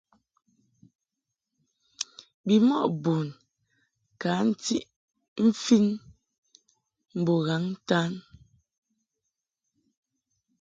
Bimɔʼ bun ka ntiʼ mfin mbo ghaŋ-ntan.